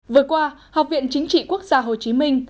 vừa qua học viện chính trị quốc gia hồ chí minh